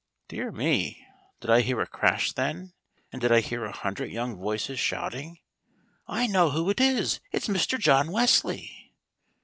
Dear me! did I hear a crash then? And did I hear a hundred young voices shouting: "I know who it is, it's Mr. John Wesley"?